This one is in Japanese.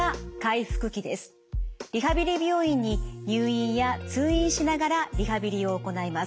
リハビリ病院に入院や通院しながらリハビリを行います。